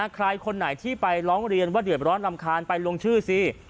ใครคนไหนที่ไปร้องเรียนว่าเดือดร้อนรำคาญไปลงชื่อสิ